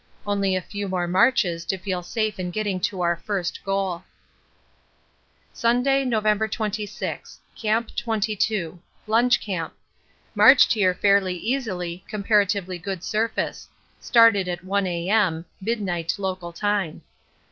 Only a few more marches to feel safe in getting to our first goal. Sunday, November 26. Camp 22. Lunch camp. Marched here fairly easily, comparatively good surface. Started at 1 A.M. (midnight, local time).